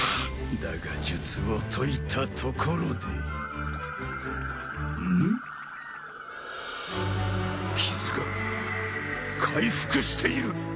だが術を解いたところでうん？傷が回復している！？